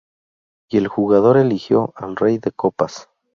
Y el jugador eligió al Rey de Copas.